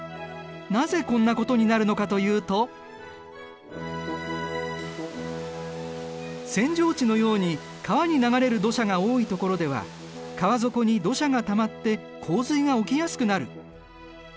なぜこんなことになるのかというと扇状地のように川に流れる土砂が多いところでは川底に土砂がたまって洪水が起きやすくなる。